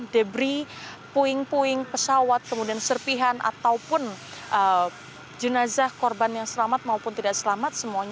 debri puing puing pesawat kemudian serpihan ataupun jenazah korban yang selamat maupun tidak selamat